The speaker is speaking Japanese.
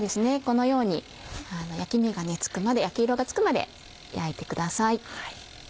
このように焼き目がつくまで焼き色がつくまで焼いてください。